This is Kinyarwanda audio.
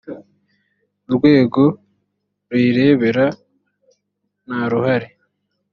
urwego ruyirebere ntaruhari.